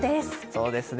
そうですね。